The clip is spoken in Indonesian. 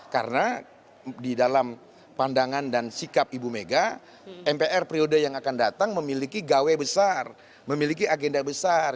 karena di dalam pandangan dan sikap ibu mega mpr periode yang akan datang memiliki gawe besar memiliki agenda besar